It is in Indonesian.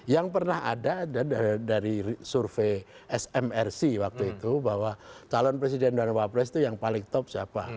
yang pernah ada dari survei smrc waktu itu bahwa calon presiden dan wapres itu yang paling top siapa